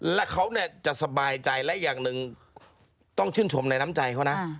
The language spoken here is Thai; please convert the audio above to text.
และเขาจะสบายใจและอย่างหนึ่งต้องชื่นชมในน้ำใจเขานะ